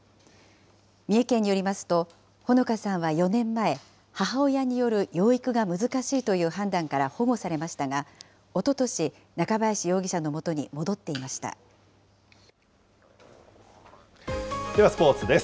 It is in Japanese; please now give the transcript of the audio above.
三重県によりますと、ほのかさんは４年前、母親による養育が難しいという判断から保護されましたが、おととし、ではスポーツです。